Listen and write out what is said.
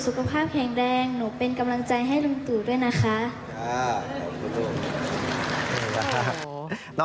หนูเป็นกำลังใจให้ลุงตูด้วยนะคะ